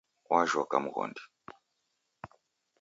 Wajhoka mghondi.